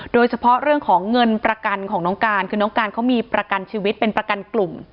โดยเฉพาะเรื่องของเงินประกันของน้องการคือน้องการเขามีประกันชีวิตเป็นประกันกลุ่ม